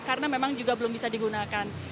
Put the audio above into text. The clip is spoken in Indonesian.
karena memang juga belum bisa digunakan